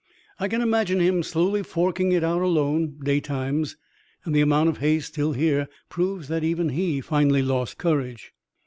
I can imagine him slowly forking it out alone, daytimes, and the amount of hay still here proves that even he finally lost courage."